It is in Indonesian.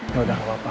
ya udah gak apa apa